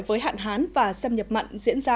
với hạn hán và xâm nhập mặn diễn ra